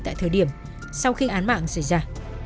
tại thời điểm sau khi án mạng xảy ra